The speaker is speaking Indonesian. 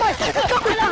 kau ada anjing